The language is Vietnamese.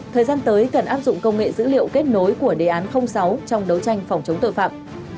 thời gian tới cần áp dụng công nghệ dữ liệu kết nối của đề án sáu trong đấu tranh phòng chống tội phạm